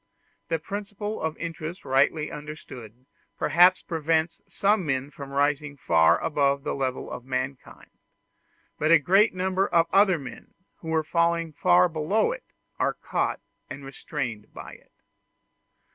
The principle of interest rightly understood perhaps prevents some men from rising far above the level of mankind; but a great number of other men, who were falling far below it, are caught and restrained by it.